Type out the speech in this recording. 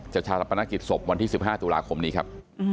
ชารับประนักกิจศพวันที่๑๕ตุลาคมนี้ครับ